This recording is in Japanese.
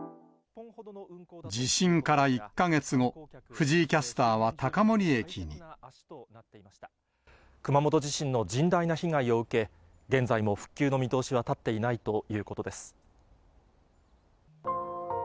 地震から１か月後、熊本地震の甚大な被害を受け、現在も復旧の見通しは立っていないということです。